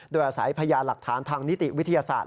โดยอาศัยพยานหลักฐานทางนิติวิทยาศาสตร์